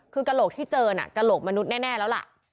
คือกระโหลกที่เจอน่ะกระโหลกมนุษย์แน่แล้วล่ะ